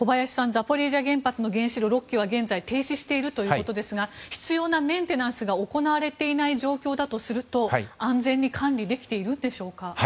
ザポリージャ原発の原子炉６基は現在停止しているということですが必要なメンテナンスが行われていない状況だとすると安全に管理できているんでしょうか。